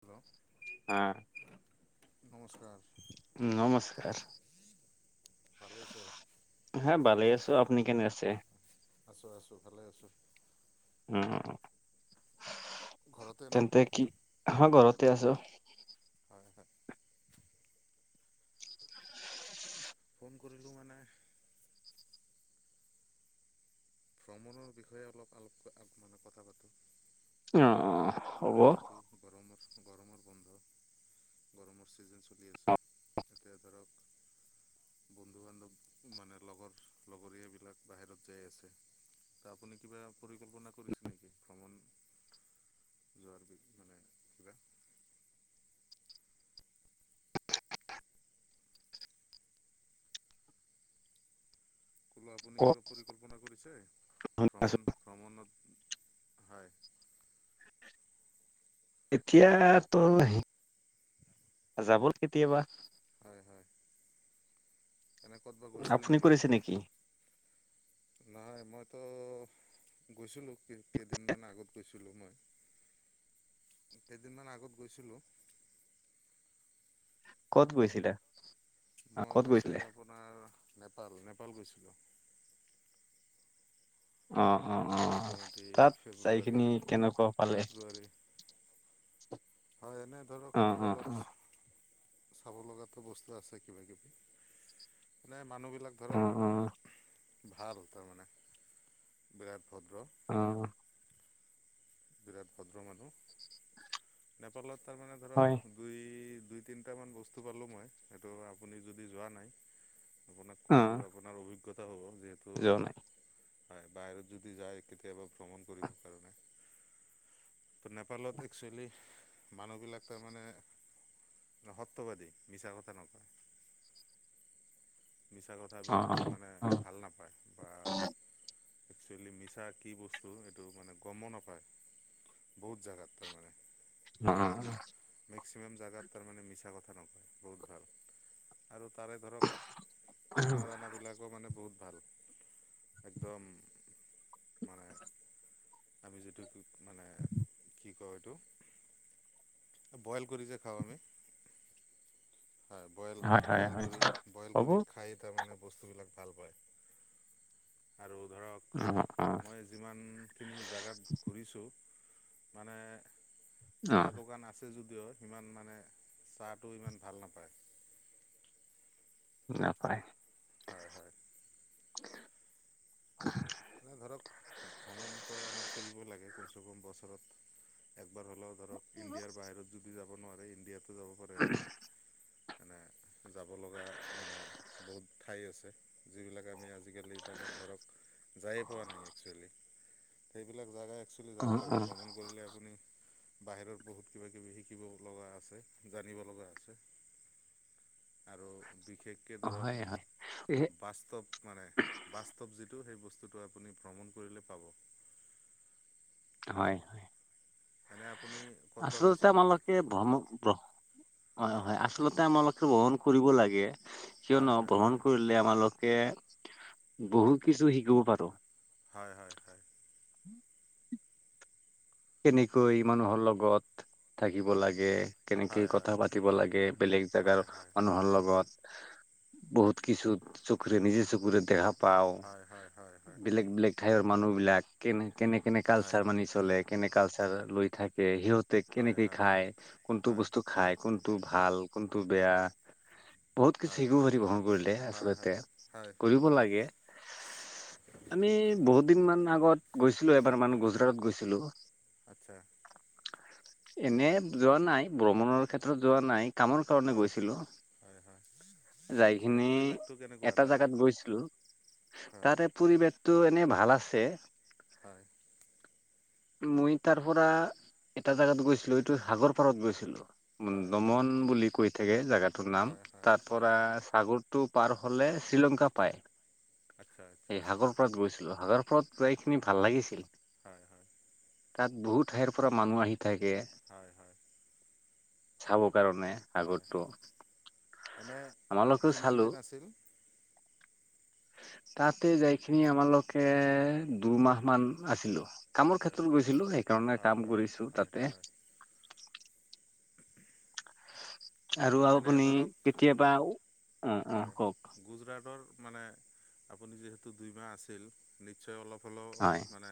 Hello. অঁহ। নমস্কাৰ। উমঁ, নমস্কাৰ। ভালে আছে? হাঁ ভালেই আছো। আপনি কেনে আছে? আছোঁ-আছোঁ ভালে আছোঁ। উম-উম। ঘৰতে ন তেন্তে কি হাঁ, ঘৰতে আছো। হয়-হয়। ফোন কৰিলোঁ মানে- ভ্ৰমণৰ বিষয়ে অলপ-অলপ মানে কথা পাতোঁ। অঁহ', -অঁহ', -অঁহ', -। যিহেতু গৰমৰ-গৰমৰ বন্ধ। গৰমৰ ছিজন চলি আছে। এয়া ধৰক- বন্ধু-বান্ধৱ মানে লগৰ-লগৰীয়াবিলাক বাহিৰত যাই আছে। ত' আপুনি কিবা পৰিকল্পনা কৰিছে নেকি ভ্ৰমণ- যোৱাৰ? মানে কিবা বোলো আপুনি ক'ত কিবা পৰিকল্পনা কৰিছে শুনি আছো। ভ্ৰমণ-ভ্ৰমণত? হয়। এতিয়া তোৰ, যাব কেতিয়াবা। হয় হয় কেনে কত বা গৈছিল আপুনি নেকি কৰিছে নহয় মইতো গৈছিলোঁ কেই কেইদিনমান আগত গৈছ ছিলো মই কেইদিনমান আগত গৈছিলো কত গৈছিলা অ', মই ক'ত গৈছিলে গৈছিলোঁ আপোনাৰ নেপাল নেপাল গৈছিলোঁ অ অ অ মোটামুটি তাত ফেব্ৰুৱাৰী যাইখিনি কেনেকুৱা পালে ফেব্ৰুৱাৰী হয় এনে ধৰক অ অ অ নেপালত চাব লগাটো বস্তু আছে কিবাকিবি নাই মানুহবিলাক অ ধৰক অ ভাল তাৰমানে বিৰাট ভদ্ৰ অ বিৰাট ভদ্ৰ মানুহ নেপালত তাৰমানে ধৰক হয় দুই দুই তিনটামান বস্তু পালোঁ মই সেইটো আপুনি যদি যোৱা নাই আপোনাক অ কৈ দূ আপোনাৰ অভিজ্ঞতা হ'ব, যিহেতু যোৱা নাই হয় বাহিৰত যদি যায়, কেতিয়াবা ভ্ৰমণ কৰিবৰ কাৰণে। ত নেপালত একচুৱেলি, মানুহবিলাক তাৰমানে মহত্ববাদী মিছা কথা নকয়, মিছা কত অ থাবিলাক অ মানে অ ভাল নাপায়, বা একচুৱেলি মিছা কি বস্তু, এইটো মানে গমো নাপায়। বহুত জাগাত তাৰমানে। মানে ধৰক ন'। মেক্সিমাম জেগাত তাৰমানে মিছা কথা নকয়, বহুত ভাল আৰু তাৰে ধৰক খানা দানা বিলাকো মানে বহুত ভাল। একদম মানে, আমি যিটোক মানে কি কয়, এইটো বইল কৰি যে খাওঁ আমি। হয়। বইল, হয় হয় বইল হয় কৰি বইল হ'ব অ কৰি খাই তাৰমানে বস্তুবিলাক। ভাল পায় আৰু ধৰক অ মই যিমানখিনি জাগাত ঘূৰিছোঁ মানে অ চাহ বগান আছ ছে যদিও সিমান মানে চাহটো ইমান ভাল নাপায় নাপায়। হয়, হয়। মানে ধৰক ভ্ৰমণটো আমাৰ কৰিব লাগে, কমচে কম বছৰত একবাৰ হ'লও। ধৰক ইণ্ডিয়াৰ বাহিৰত যদিও যাব নোৱাৰে, ইণ্ডিয়াটো যাব পাৰে আপুনি। মানে, যাব লগা মানে বহুত ঠাই আছে। যিবিলাক আমি আজিকালি, তাৰমানে ধৰক যায়ে পোৱা নাই একচুৱেলি, সেইবিলাক জাগাই একচুৱেলি অ', যাব লাগে, অ', ভ্ৰমণ কৰিলে আপুনি বাহিৰত বহুত কিবা-কিবি শিকিব লগা আছে, জানিব লগা আছে। আৰু বিশেষকে অ', হয়, ধৰক, হয়, এ বাস্তৱ মানে বাস্তৱ যিটো, সেই বস্তুটো আপুনি ভ্ৰমণ কৰিলে পাব। হয়, হয়। এনে আপুনি ক'তবা আচলতে গৈছিল নেকি আমালোকে ভ্ৰম ভ্ৰ হয়, হয় আ আচলতে আমাৰালোকে ভ্ৰহণ কৰিব লাগে, হয় কিয়নো হয় ভ্ৰহণ হয় কৰিলে আমাৰো। এ বহুত কিছু শিকিব পাৰো। হয়, হয়, হয়। [unintelligible] কেনেকৈ মানুহৰ লগত থাকিব লাগে। কেনেকে হয় কথা পাতিব লাগে, বেলেগ জোগাৰ হয় হয় মানুহৰ লগত। বহুত কিছু চকুৰে নিজে চকুৰে দেখা পাও, হয় হয় হয় হয় হয় হয় বেলেগ বেলেগ। ঠাইৰ মানুহবিলাক কেনে, কেনে, কেনে হয় কালচাৰ মানি চলে কেনে কালচাৰ লৈ থা। কে সিহঁতে হয় কেনেকে খায়, কোনটো হয় বস্তু খায়, কোনটো ভাল, কোনটো বেয়া। বহুত কিছু হয় শিকিব পাৰিব, ভ্ৰমণ কৰিলে, হয় হয় আচলতে হয় কৰিব লাগে। আমি বহুত দিন মান আগত গৈছিলো, এবাৰ মান গুজৰাটত গৈছিলো। আচ্ছা। এনে যোৱা নাই, ভ্ৰমণৰ ক্ষেত্ৰত যোৱা নাই, কামৰ কাৰণে হয় গৈছিলো। হয় হয় এনে যাইখিনি পৰিৱেশটো কেনেকুৱা এটা তাৰে জোগাত গৈছিলো, হয় তাতে। পৰিৱেশটো এনেই ভাল আছে। হয়। মই তাৰ পৰা এটা জোগাত গৈছিলো, এইটো সাগৰ পাৰত গৈছিলো, দমন। হয় হয় ন বুলি কৈ থাকে, জোগাটোৰ নাম হয় হয় তাত। পৰা সাগৰটো পাৰ হ'লে শ্ৰীলংকা পায়। আত্সা। এই সাগৰপাৰত গৈছিলো, সাগৰপাৰত যাই কিনি ভাল লাগিছিল। হয়', হয়'। তাত বহুত ঠাইৰ পৰা মানুহ আহি থাকে। হয়', হয়। চাব কাৰণে হয় আগৰটো আমালোকেও চালো। ছিল। তাতে যাইকেনে আমালোকে দুমাহ মান আছিলো। কামৰ আচ্ছা ক্ষেত্ৰত আচ্ছা গৈছিলো সেইকাৰণে হয় কাম হয় কৰিছো হয় তাতে। হয় আৰু এনে আপুনি ধৰক কেতিয়াবাও। হয়', গুজৰাটৰ মানে আপুনি যিহেতু দুইমাহ আছিল নিশ্চয় অলপ। হলেও হয় মানে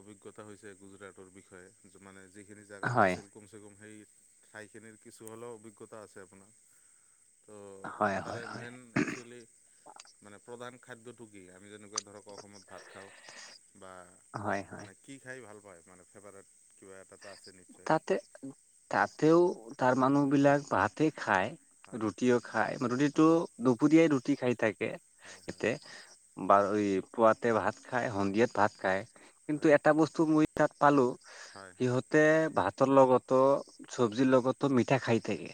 অভিজ্ঞতা হৈছে গুজৰাটৰ বিষয়ে। কিছুমানে যিখিনি জাগাত হয় আছিল। কুমচো গোম সেই ঠাইখিনিৰ কিছু হ'লেও অভিজ্ঞতা আছে আপোনাৰ তো। হয় হয় হয় উম, একচুৱেলি মানে প্ৰধান খাদ্যটো কি, আমি যেনেকুৱা। ধৰক অসমত ভাত খাওঁ, বা হয় হয় মানে কি খাই ভাল পায় মানে ফেভাৰেট। কিবা এটা তা আচ। তাতে তাতেও তাৰ মানুহ বিলাক ভাতে খায়। হয় ৰুটিও খাই ৰুটিটো হয় দুপুৰীয়াই ৰুটি খাই থাকে হয় হয় তাতে। বাৰু এই পুৱাতে ভাত খায়, সন্ধিয়াত ভাত খায়, হয়, কিন্তু এটা বস্তু মই তাত পালো। হয়', তাতে ভাতৰ লগতো চবজিৰ লগতো মিঠাই খাই থাকে।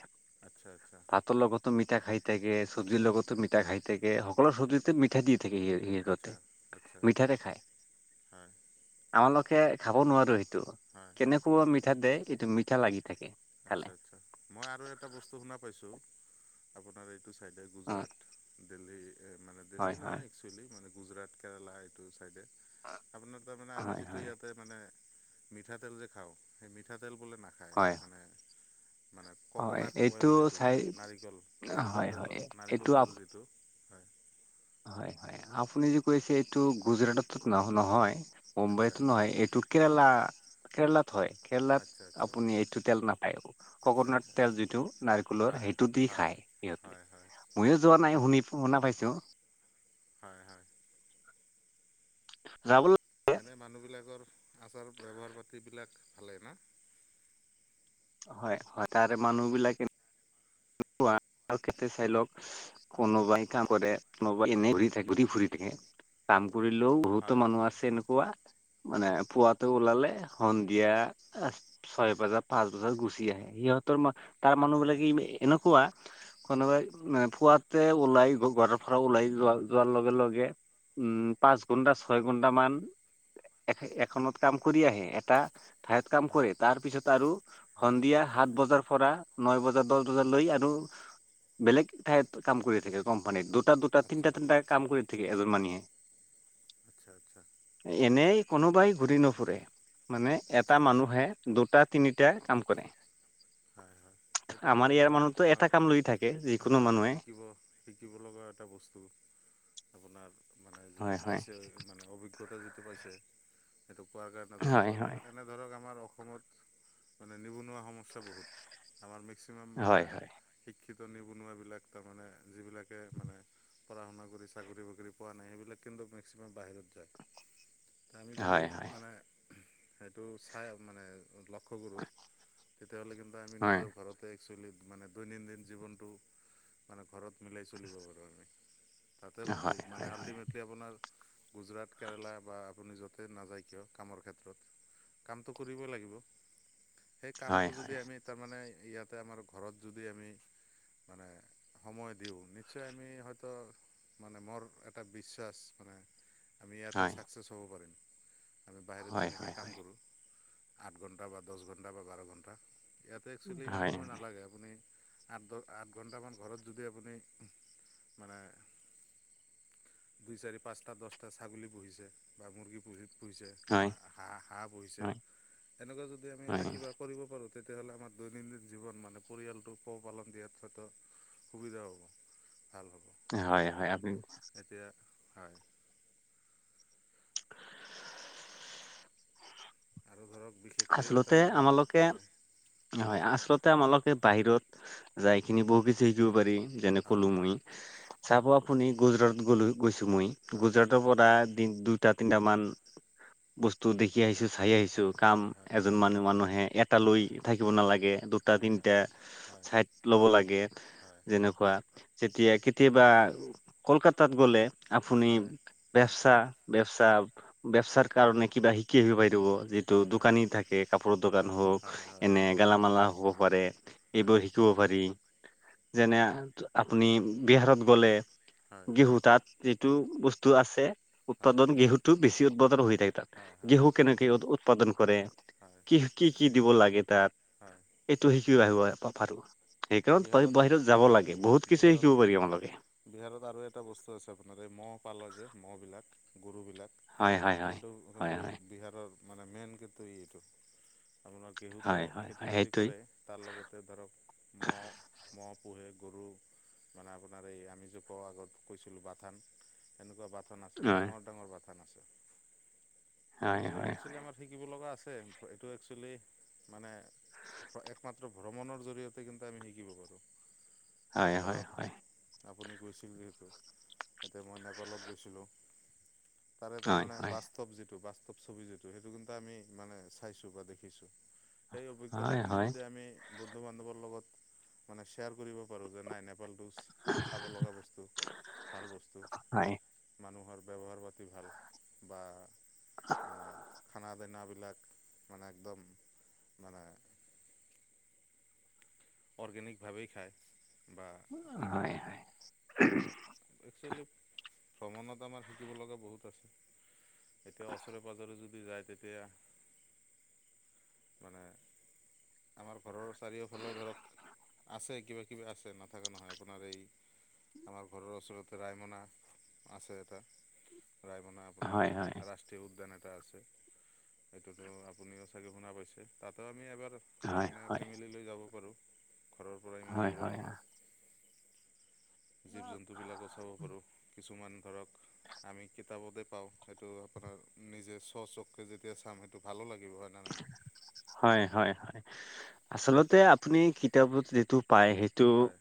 আচ্ছা', আচ্ছা',। ভাতৰ লগতো মিঠা খাই থাকে, চব্জিৰ আচ্ছা, লগতো মিঠা খাই থাকে, সকলো চব্জিতে মিঠা দি থাকে সি। আচ্ছা, কিৰেতত আচ্ছা, মিঠাতে খায়। হয়, আমালোকে খাব নোৱাৰো সেইটো। হয়', কেনেকুৱা মিঠাতে এটো মিঠা লাগি থাকে। খালে আচ্ছা আচ্ছা মই আৰু এটা বস্তু শুনা পাইছোঁ, আপোনাৰ এইটো চাইডে অ গুজৰাট। দেহল্লী মানে দেহল্লী হয় হয় নহয় একচুৱেলি মানে, গুজৰাট কেৰেলা এইটো ছাইডে। আপোনাৰ তাৰমানে আমি হয় যিটো হয় ইয়াতে মানে, মিঠাতেল যে খাওঁ সেই মিঠাতেল বোলে নাখ নাখায় হয় মানে। মানে হয় কক'নাট এইটো অইল যিটো চাই নাৰিকল নাৰিকল হয় তেল, হয় এইটো নাৰিকল আ তেল যিটো। হয়', হয়', হয়', আপুনি যে কৈছে এইটো গুজৰাটত নহ- নহয়- আচ্ছা, মুম্বাইতো আচ্ছা, নহয় এইটো। কেৰেলা কেৰেলাত হয় কেৰেলাত আচ্ছা, আচ্ছা, আপুনি এইটো তেল নাপায়। আচ্ছা, কক'নাট আচ্ছা, তেল যিটো নাৰিকোলৰ হয়, সেইটো দি হয়, খায় সিহঁতে। হয়, হয়, ময়ো যোৱা নাই শুনি- শুনা- পাইছো। হয়', হয়', যাবল এনে মানুহবিলাকৰ আচাৰ ব্যৱহাৰ পাতিবিলাক ভালে ন। হয়', হয়', তাৰে মানুহ বিলাকে [unintelligible] কেতো চাই লক। কোনোবাই কাম কৰে কোনোবাই এনে ঘুৰি থাকে ঘূৰি ফুৰি থাকে। কাম কৰিলেও বহুতো হয় মানুহ হয় আছে এনেক ৱা পুৱা মানে পুৱাটো ওলালে সন্ধিয়া আহ ছয় বজাত পাঁচ বজাত গুচি আহে, সিহঁতৰ মা তাৰ মানুহ হয়। বিলাকে এনেকুৱা। কোনোবাই পুৱাতে ওলাই ঘৰৰ পৰা ওলাই যোৱা- যোৱাৰ লগে লগে। উম', পাঁচ ঘণ্টা ছয় ঘণ্টামান। এ- এখনত কাম কৰি আহে এটা। ঠাইত কাম হয় কৰে তাৰ পিছত আৰু হয় সন্ধিয়া সাত বজাৰ পৰা ন বজা দহ বজালৈ আৰু বেলেগ ঠাইত কাম কৰি থাকে কোম্পানীত দুট দুটা-দুটা আচ্ছা তিনটা-তিনটা আচ্ছা। কাম কৰি থাকে এজন মানিহে। আচ্ছা', আচ্ছা',। এনেই কোনোবাই ঘূৰি নুফুৰে মানে আচ্ছা এটা আচ্ছা মানুহে দুটা তিনিটা কাম কৰে হয় এইটোত আমাৰ ইয়াৰ ধৰক মানুহতো আমাৰ এটা কাম লৈ থাকে যিকোনো হয় মানুহে শিকিব শিকিব লগা এটা বস্তু আপোনাৰ মানে যিটো হয় হয় পাইছে মানে অভিগ জ্ঞতা যিটো পাইছে সেইটো কোৱাৰ কাৰণে হয় ধন্যবাদ হয় তাকে মানে ধৰক আমাৰ অসমত মানে নিবনুৱা সমস্যা বহুত আমাৰ মেক্সিমাম মানে হয় হয় শিক্ষিত নিবনুৱাবিলাক তাৰমানে যিবিলাকে মানে পঢ়া শুনা কৰি চাকৰি বাকৰি পোৱা নাই সেইবিলাক কিন্তু মেক্সিমাম বাহিৰত তা আমি যদি হয় হয় হয় মানে সেইটো চাই মানে লক্ষ্য কৰোঁ তেতিয়াহ'লে কিন্তু আমি হয় নিজৰ ঘৰত তে একচুৱেলি মানে দৈনন্দিন জীৱনটো মানে ঘৰত মিলাই চলিব পাৰোঁ আমি তাতে গৌ হয় হয় হয় মানে আল্টিমেট তে আপোনাৰ গুজৰাট কেৰেলা বা আপুনি য'তে নাযায় কিয় কামৰ ক্ষেত্ৰত কামটো কৰিব লাগিব সেই হয় কামটো হয় যদি আমি তাৰমানে ইয়াতে আমাৰ ঘৰত যদি আমি মানে সময় দিওঁ নিশ্চয় আমি হয়তো মানে ম'ৰ এটা বিশ্বাস মানে আমি ইয়াতে হয় ছাকচেছ হ'ব পাৰিম, আমি বাহিৰত হয় হয় হয় হয় যেনেকে কাম কৰোঁ আঠ ঘণ্টা বা দছ ঘণ্টা বা বাৰ ঘণ্টা ইয়াতে এক্সুৱেলি ইমান সময় নালাগে আপুনি আঠ ঘ আঠ ঘণ্টামান ঘৰত যদি আপুনি মানে দুই, চাৰি, পাঁচটা, দছটা ছাগলী পুহিছে বা মুৰ্গী পুহি পুহিছে বা হা হাঁহ পুহিছে, হয় তেনেহলে যদি আমি এটা হয় কিবা কৰিব পাৰো তে তেতিয়াহ'লে আমাৰ দৈনন্দিন জীৱন মানে পৰিয়ালটো পোহপালন দিয়াত হয়তো সুবিধা হ'ব। ভাল হ'ব। এ হয় হয় আপুনি এতিয়া হয় আৰু ধৰক বিশেষ আচলতে আমালোকে হয় আচলত তে মালোকে বাহিৰত যাইখিনি বহু কিছু শিকিব পাৰি যেনে হয় কলো মই হয় চাব হয় আপুনি গুজৰাট গলো গৈছো মই, তো হয় গুজৰাট তৰ পৰা তিন দুইটা, তিনিটামান বস্তু দেখি আহিছো চাই আহিছো হয় কাম হয় হয় এজন মানুহ মানুহে এটা লৈ হয় হয় থাকিব নালাগে, দুটা, হয় হয় তিনিটা হয় হয় ছাইড লব লাগে হয় যেনেকুৱা যেতিয়া কেতিয়াবা কলকাতাত গ'লে আপুনি বেৱচা বেৱচা বেৱচাৰ কাৰণে কিবা শিকি আহিব পাৰিব, যিটো দু হয় হয় হয় হয় হয় দোকানী থাকে, কাপোৰৰ দোকান হওক হয় হয় এনে গেলামালা হ'ব পাৰে এইবোৰ শি কিব পাৰি যেনে আপুনি বিহাৰত গলে হয় গেহু তাত যিটো বস্তু আছে, উৎপাদন গেহুটোত বেছি উৎপাদন হৈ থাক তাত হয় গেহু কেনেকে উৎ উৎপাদন কৰে হয়। কি কি কি দিব লাগে তাত? অ। এইটো শিকি আহিব পা পাৰোঁ সেইকাৰণত বা বিহাৰত বাহিৰত যাব হয় লাগে, বহুত কিছু বিহাৰত শিকিব পাৰি আমালোকে। বিহাৰত আৰু এটা বস্তু আছে আপোনাৰ এই মহ পাল যে মহ'বিলাক, গৰুবিলাক। হয় হয় হয়। অলপটো অ হয় কিন্তু হয় বিহাৰৰ মানে মেইন কিন্তু এইটো আপোনাৰ ঘেহুটো হয় হয় খেতি হয় - বাতি সেইটোৱেই কৰে তাৰ লগতে ধৰক মহ ম'হ পোহে, গৰু মানে আপোনাৰ এই আমি যে কও আগত কৈছিলোঁ বাথান তেনেকুৱা বাথান আছে, হয় ডাঙৰ - ডাঙৰ বাথান আছে। ত হয় এইবিলাক হয় একচুৱেলি আমাৰ শিকিব লগা আছে, এইটো একচুৱেলি মানে প একমাত্ৰ ভ্ৰমণৰ জৰিয়তে কিন্তু আমি শিকিব পাৰোঁ। হয় হয় ধৰক হয়। আপুনি কৈছিল যিহেতু এতিয়া মই নেপালত গৈছিলোঁ। তাৰে এটা হয় মানে হয় বাস্তৱ যিটো বাস্তৱ ছবি যিটো সেইটো কিন্তু আমি মানে চাইছো বা দেখিছো। সেই হয় অভিজ্ঞতাখিনি হয় যদি আমি বন্ধু - বান্ধৱৰ লগত মানে শ্বেয়াৰ কৰিব পাৰোঁ যে নাই নেপাল টোচ চাব লগা বস্তু, ভাল বস্তু হয় মানুহৰ ব্যৱহাৰ পাতি ভাল বা মানে খানা- দানাবিলাক মানে একদম মানে অৰ্গেনিকভাৱেই খায় বা ই কৰে হয় হয় ত একচুৱেলি, ভ্ৰমণত আমাৰ শিকিব লগা বহুত আছে। এতিয়া ওচৰে পাঁজৰে যদি যায় তেতিয়া মানে আমাৰ ঘৰৰ চাৰিওফালেও ধৰক আছে কিবা কিবি আছে নথকা নহয় আপোনাৰ এই আমাৰ ঘৰৰ ওচৰতে ৰায়মনা আছে এটা ৰায়মনা হয় আপোনাৰ হয় হয় ৰা ষ্ট্ৰীয় উদ্যান এটা আছে সেইটোতো আপুনিও চাগে শুনা পাইছে তাতেও আমি এবাৰ হয় এনে হয় ফেমিলি লৈ যাব পাৰো ঘৰৰ পৰা ইমান দূৰো নহয় জীৱ জন্তুবিলাকো চাব পাৰো কিছুমান ধৰক আমি কিতাপতে পাও সেইটো আপোনাৰ নিজে চ চককৈ যেতিয়া চাম সেইটো ভালো লাগিব হয় নহয় হয় হয় হয় আচলতে আপুনি কিতাপত যিটো পায় সেই টো হয়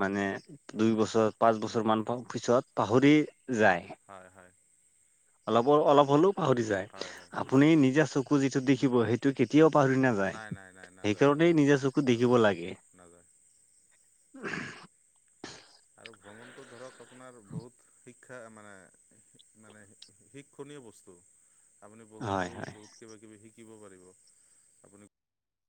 মানে দুই বছৰ পাঁচ বছৰ মান পিছত পাহৰি যায় হয় হয় অলপৰ অলপ হলেও পাহৰি হয় হয় যায় আপুনি নিজা চকু যিটো দেখিব সেইটো কে তিয়াও পাহৰি নাযায় নাই নাই নাই নাযায় সেইকাৰণেই নাযায় নিজে চকু দেখিব নাযায় লাগে নাযায় উম আৰু ভ্ৰমণতো ধৰক আপোনাৰ বহুত শি ক্ষা মানে মানে শিক্ষণীয় বস্তু আপুনি বহুত হয় হয় বহুত বহুত কিবা কিবি শিকিব পাৰিব আপুনি